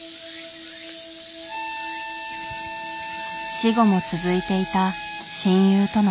死後も続いていた親友との関係。